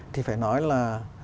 thì phải nói là